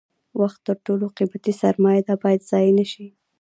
وخت تر ټولو قیمتي سرمایه ده باید ضایع نشي.